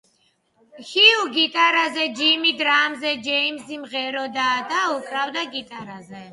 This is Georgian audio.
ჰიუ გიტარაზე, ჯიმი დრამზე, ჯეიმზი მღეროდა და უკრავდა გიტარაზე.